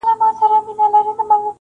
• او له خپل یوازیتوبه سره ژاړې -